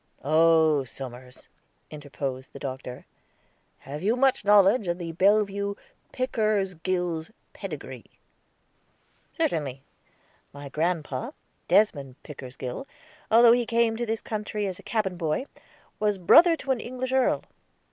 "Oh, Somers," interposed the Doctor, "have you much knowledge of the Bellevue Pickersgills' pedigree?" "Certainly; my grandpa, Desmond Pickersgill, although he came to this country as a cabin boy, was brother to an English earl.